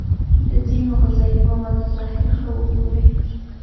د ځینو غذايي موادو ظاهر ښه وگورئ.